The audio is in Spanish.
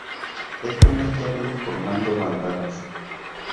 Es común verlo formando bandadas.